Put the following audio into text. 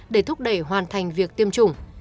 để thúc đẩy hoàn thành việc tiêm chủng